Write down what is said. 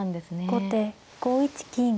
後手５一金。